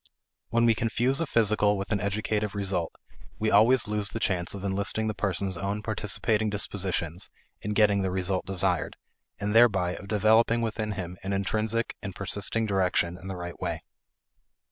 When we confuse a physical with an educative result, we always lose the chance of enlisting the person's own participating disposition in getting the result desired, and thereby of developing within him an intrinsic and persisting direction in the right way.